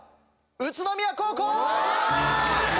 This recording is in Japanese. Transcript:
宇都宮高校！